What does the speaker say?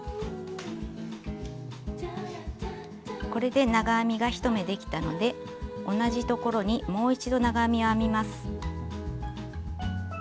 これで長編みが１目できたので同じところにもう一度長編みを編みます。